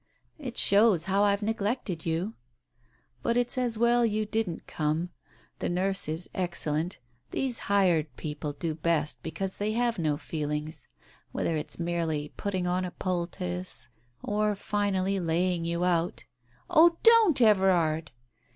"It shows how I've neglected you." "But it's as well you didn't come. The nurse is excellent. These hired people do best because they have no feelings, whether it's merely putting on a poultice, or finally laying you out " "Oh, don't, Everard!"